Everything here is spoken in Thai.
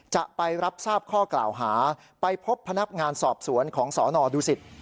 จะไปรับทราบข้อกล่าวหาไปพบพนักงานสอบสวนของสนดูสิต